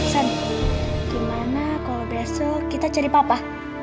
gimana kalau besok kita cari papa